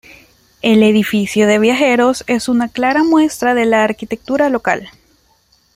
El edificio de viajeros es una clara muestra de la arquitectura local.